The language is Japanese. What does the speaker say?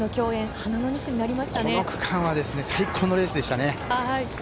この区間は最高のレースでしたね。